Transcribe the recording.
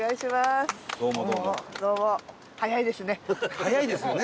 早いですね。